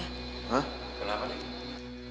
hah kenapa nih